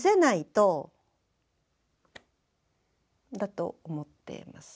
だと思っています。